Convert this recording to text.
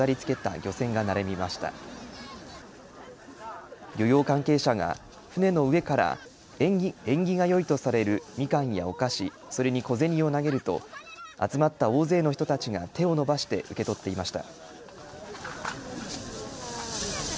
漁業関係者が船の上から縁起がよいとされるみかんやお菓子、それに小銭を投げると集まった大勢の人たちが手を伸ばして受け取っていました。